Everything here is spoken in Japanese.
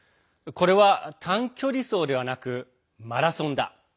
これは短距離走ではなくマラソンだ。